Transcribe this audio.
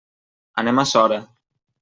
Anem a Sora.